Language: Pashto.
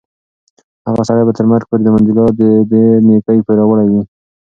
هغه سړی به تر مرګ پورې د منډېلا د دې نېکۍ پوروړی وي.